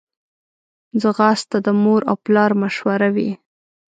ځغاسته د مور او پلار مشوره وي